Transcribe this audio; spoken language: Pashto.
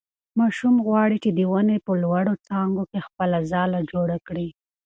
ماشوم غواړي چې د ونې په لوړو څانګو کې خپله ځاله جوړه کړي.